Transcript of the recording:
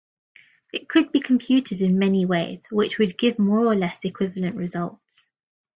It could be computed in many ways which would give more or less equivalent results.